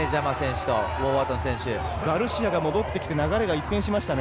ガルシアが戻ってきて流れが一変しましたね。